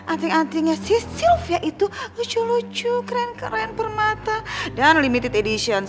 anting antingnya silvia itu lucu lucu keren keren permata dan limited edition